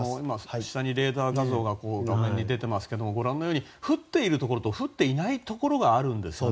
画面下にレーダー画像が出てますがご覧のように降っているところといないところがあるんですね。